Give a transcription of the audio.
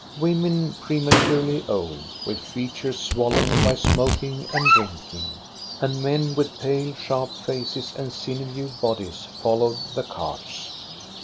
Women, prematurely old, with features swollen by smoking and drinking, and men with pale, sharp faces and sinewy bodies followed the carts.